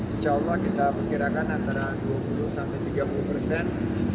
insya allah kita perkirakan antara dua puluh sampai tiga puluh persen